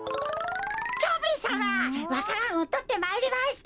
蝶兵衛さまわか蘭をとってまいりました。